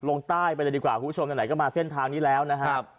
ลงใต้ไปเลยดีกว่าคุณผู้ชมไหนก็มาเส้นทางนี้แล้วนะครับ